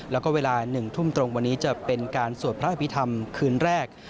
แล้วก็เวลา๑ทุ่มตรงวันนี้จะเป็นการสวดพระอภิษฐรรมคืนแรก